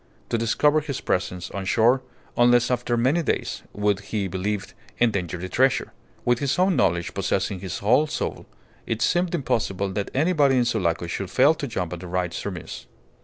To discover his presence on shore, unless after many days, would, he believed, endanger the treasure. With his own knowledge possessing his whole soul, it seemed impossible that anybody in Sulaco should fail to jump at the right surmise.